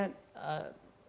seperti ibu nka